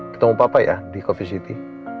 ketemu papa ya di covisity